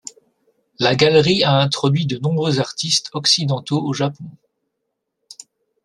La galerie a introduit de nombreux artistes occidentaux au Japon.